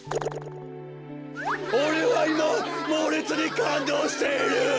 おれはいまもうれつにかんどうしている！